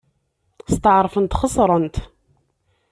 Steɛṛfent xeṣrent.